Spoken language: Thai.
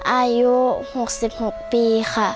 อายุ๖๖ปีค่ะ